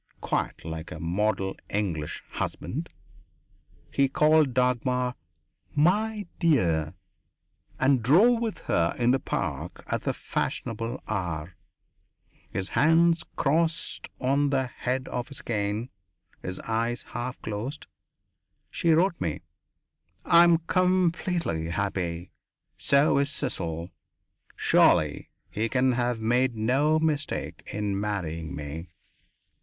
Quite like a model English husband, he called Dagmar "My dear" and drove with her in the Park at the fashionable hour, his hands crossed on the head of his cane, his eyes half closed. She wrote me: "I am completely happy. So is Cecil. Surely he can have made no mistake in marrying me."